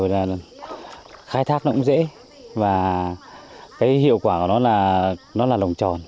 rồi là khai thác nó cũng dễ và cái hiệu quả của nó là lồng tròn